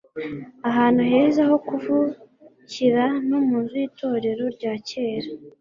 ahantu heza ho kuvukira, no munzu yitorero rya kera